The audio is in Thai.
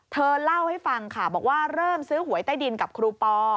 เธอเล่าให้ฟังค่ะบอกว่าเริ่มซื้อหวยใต้ดินกับครูปอ